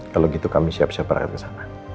kalo gitu kami siap siap berangkat kesana